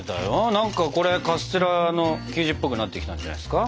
何かこれカステラの生地っぽくなってきたんじゃないですか？